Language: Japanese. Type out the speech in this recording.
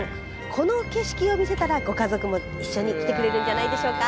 この景色を見せたらご家族も一緒に来てくれるんじゃないでしょうか？